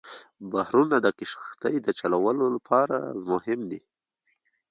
بحرونه د کښتۍ چلولو لپاره مهم دي.